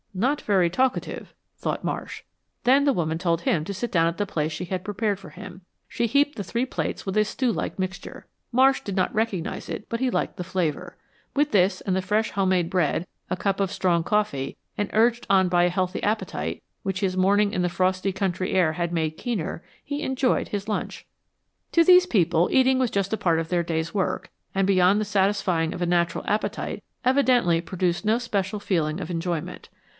"Not very talkative," thought Marsh. Then the woman told him to sit down at the place she had prepared for him. She heaped the three plates with a stew like mixture. Marsh did not recognize it, but he liked the flavor. With this, and the fresh home made bread, a cup of strong coffee, and urged on by a healthy appetite, which his morning in the frosty country air had made keener, he enjoyed his lunch. To these people eating was just a part of their day's work, and beyond the satisfying of a natural appetite, evidently produced no special feeling of enjoyment.